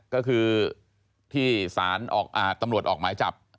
ก็คือที่สารตำรวจออกหมายจับ